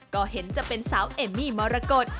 ก็เห็นจะเป็นสาวเอมมี่มรกฏ